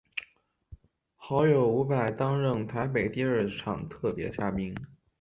好友伍佰担任台北第二场特别嘉宾。